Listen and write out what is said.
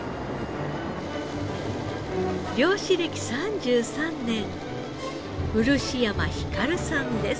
漁師歴３３年漆山晃さんです。